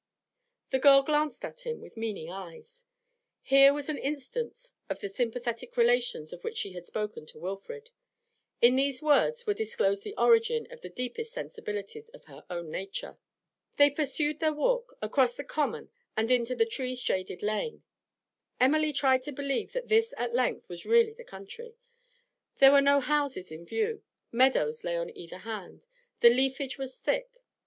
The girl glanced at him with meaning eyes. Here was an instance of the sympathetic relations of which she had spoken to Wilfrid; in these words was disclosed the origin of the deepest sensibilities of her own nature. They pursued their walk, across the common and into a tree shaded lane. Emily tried to believe that this at length was really the country; there were no houses in view, meadows lay on either hand, the leafage was thick.